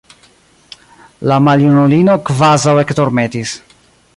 La maljunulino kvazaŭ ekdormetis.